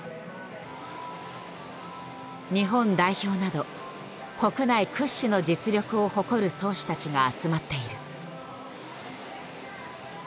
日本代表など国内屈指の実力を誇る漕手たちが集まっている。